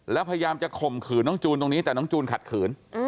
แล้วพยายามจะข่มขืนน้องจูนตรงนี้แต่น้องจูนขัดขืน